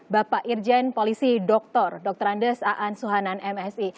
bapak irjen polisi dr dr andes aan suhanan msi